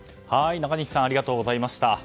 中西さんありがとうございました。